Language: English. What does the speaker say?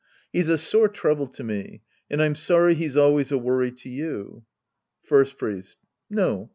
He's a sore trouble to me. And I'm sorry he's always a worry to you. First Priest. No.